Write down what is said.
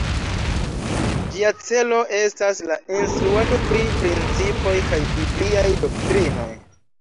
Ĝia celo estas la instruado pri principoj kaj bibliaj doktrinoj.